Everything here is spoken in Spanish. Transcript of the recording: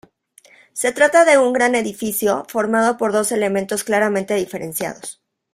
Se trata de un gran edificio formado por dos elementos claramente diferenciados.